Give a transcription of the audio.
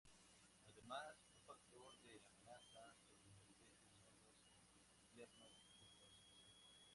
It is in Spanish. Además, un factor de amenaza sobre la especie son los inviernos rigurosos.